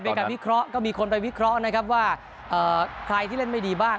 การวิเคราะห์ก็มีคนไปวิเคราะห์นะครับว่าใครที่เล่นไม่ดีบ้าง